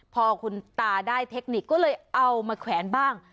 พอคุณตาได้เทคนิคก็เลยเอามาแขวนบ้าง